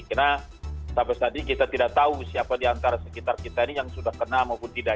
karena sampai tadi kita tidak tahu siapa diantara sekitar kita ini yang sudah kena maupun tidak